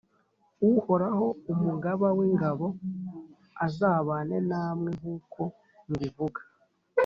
Uhoraho, Umugaba w’ingabo, azabane namwe, nkuko mubivuga.